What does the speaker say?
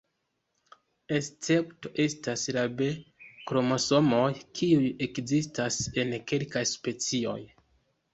Escepto estas la B-kromosomoj, kiuj ekzistas en kelkaj specioj.